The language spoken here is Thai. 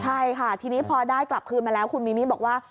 ใช่ค่ะทีนี้พอได้กลับคืนมาแล้วคุณมีมี่บอกว่า